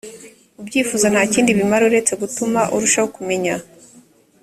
ubyifuza nta kindi bimara uretse gutuma urushaho kumenya